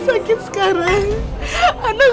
tolong lepaskan saya dari sini mbak